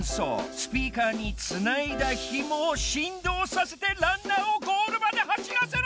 スピーカーにつないだヒモをしんどうさせてランナーをゴールまではしらせろ！